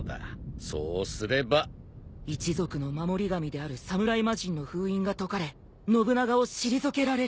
一族の守り神である侍魔人の封印が解かれ信長を退けられる。